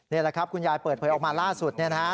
นี่แหละครับคุณยายเปิดเผยออกมาล่าสุดเนี่ยนะฮะ